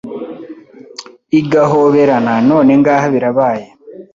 igahoberana none ngaha birabaye